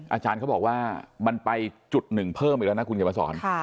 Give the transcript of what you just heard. อาจารย์เขาบอกว่ามันไปจุดหนึ่งเพิ่มอีกแล้วนะคุณเขียนมาสอน